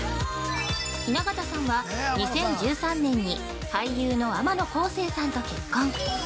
雛形さんは、２０１３年に俳優の天野浩成さんと結婚。